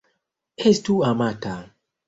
Estu amata.